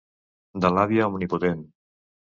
De l'àvia omnipotent.